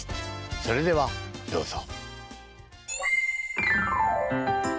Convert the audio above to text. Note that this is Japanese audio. それではどうぞ。